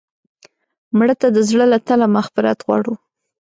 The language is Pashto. مړه ته د زړه له تله مغفرت غواړو